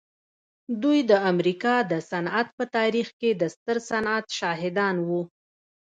دوی د امریکا د صنعت په تاریخ کې د ستر صنعت شاهدان وو